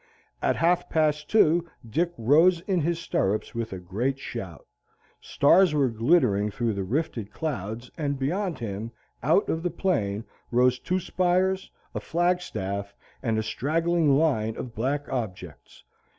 At half past two Dick rose in his stirrups with a great shout. Stars were glittering through the rifted clouds, and beyond him, out of the plain, rose two spires, a flagstaff, and a straggling line of black objects.